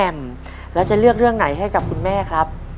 แล้วจะเลือกเรื่องไหนให้กับคุณแม่ครับ